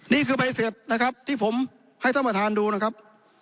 นี่คือไปเสียวนะครับที่ผมให้ท่านมาทานดูนะครับ